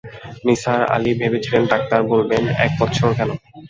নিসার আলি ভেবেছিলেন ডাক্তার বলবেন, এক বৎসর কেন?